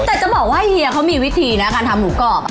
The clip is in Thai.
แต่จะบอกว่าเฮียเขามีวิธีนะการทำหมูกรอบ